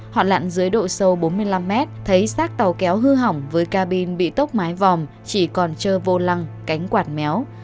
họ lặn dưới độ sâu bốn mươi năm mét thấy sát tàu kéo hư hỏng với cabin bị tốc mái vòm chỉ còn trơ vô lăng cánh quạt méo